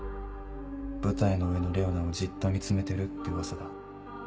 舞台の上のレオナをじっと見つめてるって噂だ。